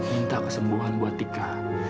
minta kesembuhan buat tika